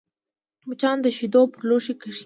مچان د شیدو پر لوښي کښېني